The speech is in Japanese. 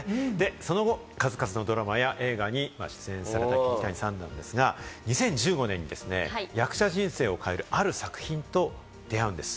その後、数々のドラマや映画に出演された桐谷さんなんですが、２０１５年に役者人生を変える、ある作品と出会うんです。